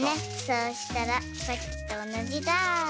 そうしたらさっきとおなじだ。